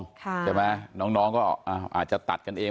ใช่ไหมน้องก็อาจจะตัดกันเอง